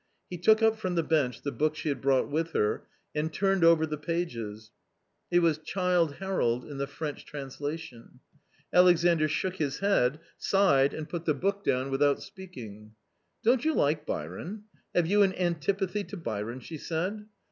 He took up from the bench the book she had brought with her and turned over the pages. It was V "" Childe Harold " in the French translation. Alexandr shook his head, sighed and put the book down without speaking. "Don't you like Byron ? Have you an antipathy to Byron ?" she said.